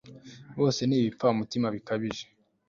bose ni ibipfamutima bikabije